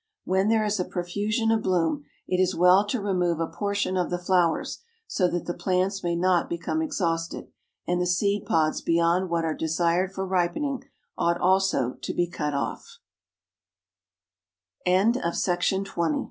When there is a profusion of bloom, it is well to remove a portion of the flowers, so that the plants may not become exhausted, and the seed pods beyond what are desired for ripening, ought also to be cut off. A Talk About Climbers.